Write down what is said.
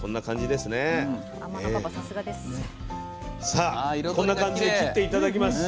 さあこんな感じで切って頂きます。